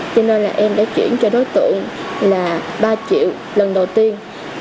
cho nên là em đã chuyển cho đối tượng là ba triệu lần đầu tiên